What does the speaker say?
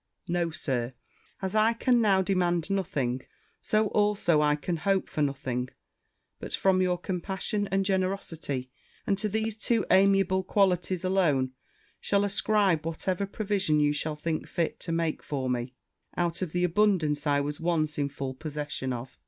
No, Sir; as I can now demand nothing, so, also, I can hope for nothing but from your compassion and generosity; and to these two amiable qualities alone shall ascribe whatever provision you shall think fit to make for me out of that abundance I was once in full possession of.